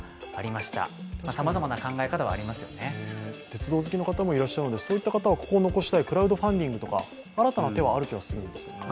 鉄道好きの方もいらっしゃるのでそういった方はここを残したいクラウドファンディングとか新たな手はあると思うんですけどね。